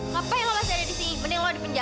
mau kalon aku bikin bojong ya